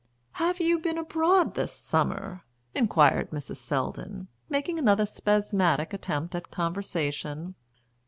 "Have you been abroad this summer?" inquired Mrs. Selldon, making another spasmodic attempt at conversation.